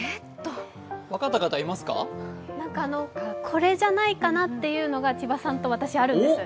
これじゃないかなというのが、千葉さんと私、あるんです。